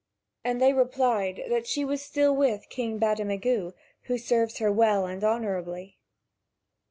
And they replied that she is still with King Bademagu, who serves her well and honourably.